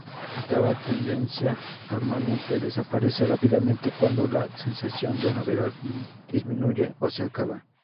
Esta tendencia normalmente desaparece rápidamente cuando la sensación de novedad disminuye o se acaba.